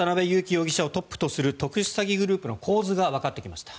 容疑者をトップとする特殊詐欺グループの構図がわかってきました。